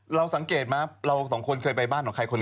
เราสังเกตมั้ยเราสองคนเคยไปบ้านของใคร